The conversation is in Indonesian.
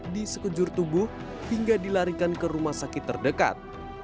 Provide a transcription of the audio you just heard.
di sekejur tubuh hingga dilarikan ke rumah sakit terdekat